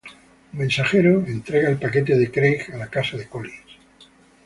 Un mensajero entrega el paquete de Craig a la casa de Collins.